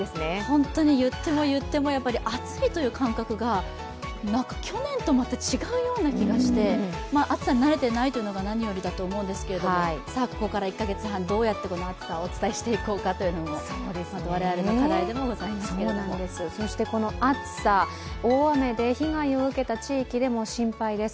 本当に言っても言っても暑いという感覚が去年とまた違うような気がして暑さに慣れていないというのが何よりだと思うんですけどここから１カ月半、どうやってこの暑さをお伝えしていくかというのも我々の課題でもございますけれどもこの暑さですが、大雨で被害を受けた地域でも心配です。